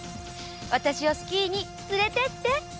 私をスキーに連れてって！